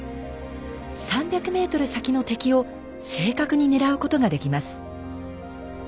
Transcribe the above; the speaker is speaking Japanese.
３００ｍ先の敵を正確に狙うことができます。